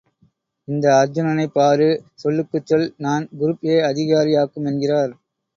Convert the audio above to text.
இந்த அர்ச்சுனனைப் பாரு, சொல்லுக்குச் சொல் நான் குரூப் ஏ அதிகாரியாக்கும் என்கிறார்.